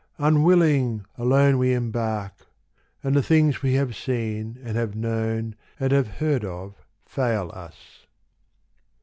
Unwilling, alone we embark, And the things we have seen and have known and have heard of, fail us.